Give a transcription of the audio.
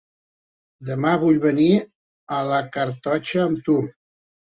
Demà vull venir a la cartoixa amb tu.